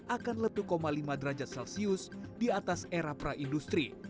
akan letuk lima derajat celcius di atas era praindustri